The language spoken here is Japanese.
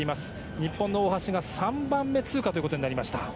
日本の大橋が３番目通過となりました。